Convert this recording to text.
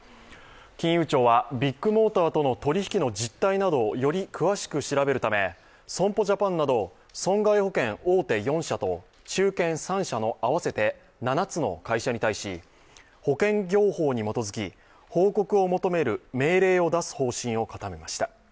金融庁はビッグモーターとの取り引きの実態などをより詳しく調べるため損保ジャパンなど損害保険大手４社と中堅３社の合わせて７つの会社に対し保険業法に基づき報告を求める命令を出す方針を固めました。